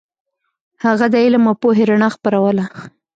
هغه د علم او پوهې رڼا خپروله.